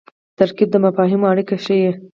ترکیب د مفاهیمو اړیکه ښيي.